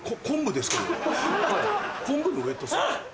昆布のウエットスーツ？